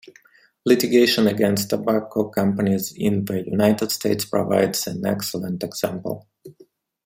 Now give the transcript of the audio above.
Litigation against tobacco companies in the United States provides an excellent example.